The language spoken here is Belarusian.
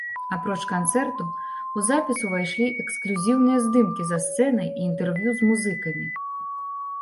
Апроч канцэрту, у запіс увайшлі эксклюзіўныя здымкі за сцэнай і інтэрв'ю з музыкамі.